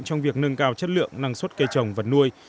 trong việc nâng cao chất lượng năng suất cây trồng vật nuôi